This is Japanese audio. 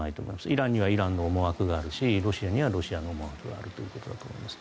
イランにはイランの思惑があるしロシアにはロシアの思惑があるということだと思います。